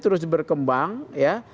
terus berkembang ya